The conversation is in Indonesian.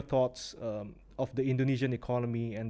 apa pendapat anda tentang ekonomi indonesia